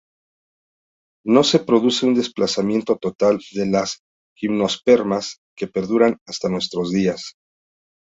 No se produce un desplazamiento total de las Gimnospermas que perduran hasta nuestros días.